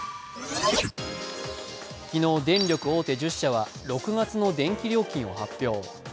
昨日、電力大手１０社は６月の電気料金を発表。